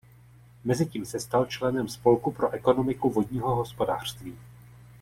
Mezitím se stal členem spolku pro ekonomiku vodního hospodářství.